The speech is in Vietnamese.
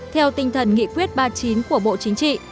theo tinh thần nghị quyết ba mươi chín của bộ chính trị